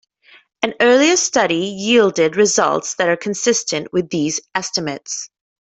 An earlier study yielded results that are consistent with these estimates.